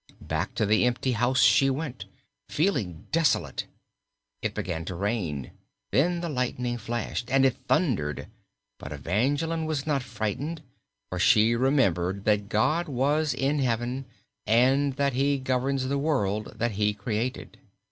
Back to the empty house she went, feeling desolate. It began to rain; then the lightning flashed and it thundered, but Evangeline was not frightened, for she remembered that God was in Heaven and that He governs the world that He created.